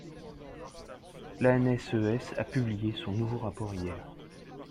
L’ANSES a publié son nouveau rapport hier.